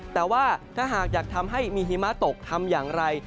แต่ว่าถ้าหากอยากทำให้มีหิมะตกทำอย่างไร